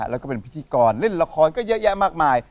แล้วก็เป็นพิธีกรเล่นละครก็เยอะแยะมากมาย